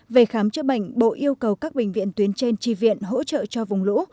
về khám chữa bệnh bộ yêu cầu các bệnh viện tuyến trên tri viện hỗ trợ cho vùng lũ